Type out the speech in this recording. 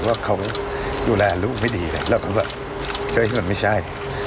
ว่าเขาดูแลลูกไม่ดีแล้วก็แบบใช้ผิดไม่ใช่